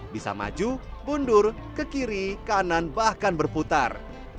bisa maju mundur ke kiri kanan bahkan berputar